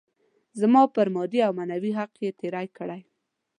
زما پر مادي او معنوي حق يې تېری کړی.